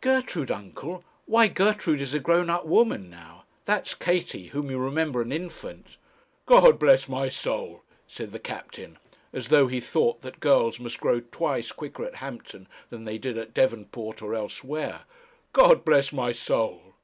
'Gertrude, uncle! Why Gertrude is a grown up woman now. That's Katie, whom you remember an infant.' 'God bless my soul!' said the captain, as though he thought that girls must grow twice quicker at Hampton than they did at Devonport or elsewhere, 'God bless my soul!'